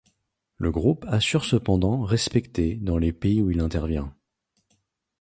Le groupe assure cependant respecter dans les pays où il intervient.